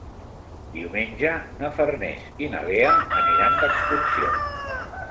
Diumenge na Farners i na Lea aniran d'excursió.